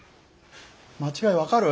間違い分かる？